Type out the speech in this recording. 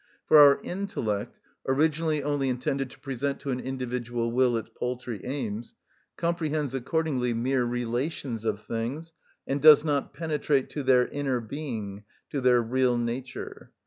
For our intellect, originally only intended to present to an individual will its paltry aims, comprehends accordingly mere relations of things, and does not penetrate to their inner being, to their real nature.